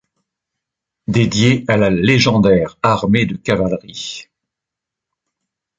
Dédié à la légendaire armée de cavalerie.